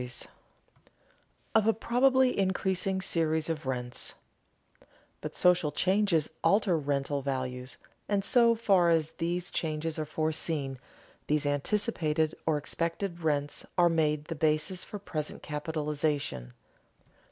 [Sidenote: Of a probably increasing series of rents;] But social changes alter rental values, and so far as these changes are foreseen, these anticipated or expected rents are made the basis for present capitalization.